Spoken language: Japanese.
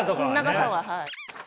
長さははい。